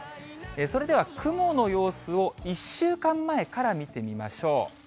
それでは雲の様子を１週間前から見てみましょう。